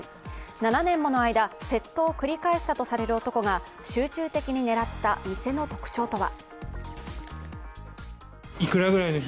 ７年もの間、窃盗を繰り返したと思われる男が集中的に狙った店の特徴とは。